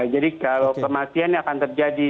jadi kalau kematiannya akan terjadi